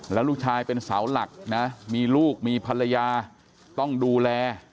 แล้วลูกชายเป็นเสาหลักนะมีลูกมีภรรยาต้องดูแล